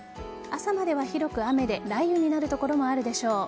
朝までは広く雨で雷雨になる所もあるでしょう。